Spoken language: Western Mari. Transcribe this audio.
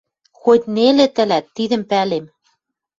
Хоть нелӹ тӹлӓт, тидӹм пӓлем